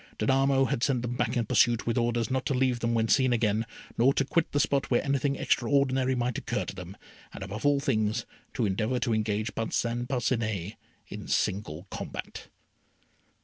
Danamo had sent them back in pursuit with orders not to leave them when seen again, nor to quit the spot where anything extraordinary might occur to them, and, above all things, to endeavour to engage Parcin Parcinet in single combat.